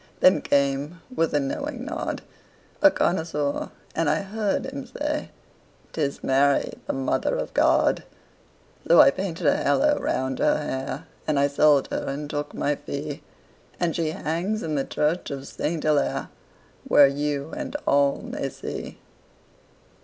Then came, with a knowing nod, A connoisseur, and I heard him say; "'Tis Mary, the Mother of God." So I painted a halo round her hair, And I sold her and took my fee, And she hangs in the church of Saint Hillaire, Where you and all may see.